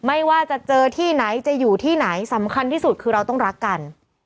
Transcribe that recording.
ไม่ว่าจะเจอที่ไหนจะอยู่ที่ไหนสำคัญที่สุดคือเราต้องรักกัน